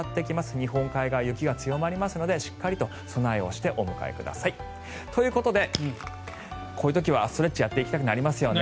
日本海側、雪が強まりますのでしっかりと備えをしてお迎えください。ということでこういう時はストレッチをやっていきたくなりますよね。